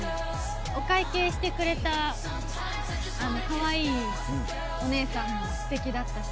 お会計してくれた、かわいいお姉さんもすてきだったし。